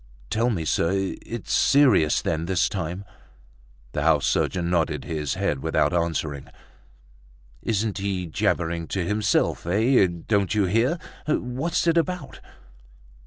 "Tell me, sir, it's serious then this time?" The house surgeon nodded his head without answering. "Isn't he jabbering to himself? Eh! don't you hear? What's it about?